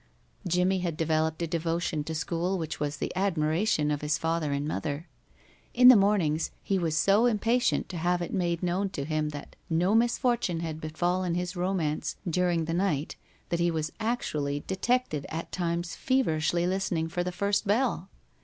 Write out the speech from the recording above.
Jimmie had developed a devotion to school which was the admiration of his father and mother. In the mornings he was so impatient to have it made known to him that no misfortune had befallen his romance during the night that he was actually detected at times feverishly listening for the "first bell."